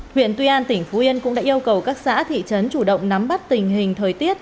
huyện tuy an tỉnh phú yên cũng đã yêu cầu các xã thị trấn chủ động nắm bắt tình hình thời tiết